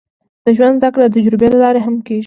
د ژوند زده کړه د تجربې له لارې هم کېږي.